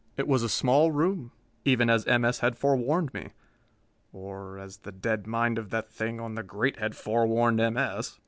It was a small room, even as M. S. had forewarned me or as the dead mind of that thing on the grate had forewarned M. S.